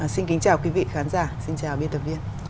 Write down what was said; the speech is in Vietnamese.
xin kính chào quý vị khán giả xin chào biên tập viên